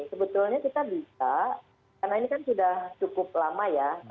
sebetulnya kita bisa karena ini kan sudah cukup lama ya